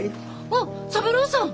あっ三郎さん！